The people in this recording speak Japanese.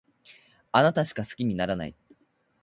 あなたしか好きにならない